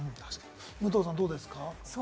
武藤さん、どうですか？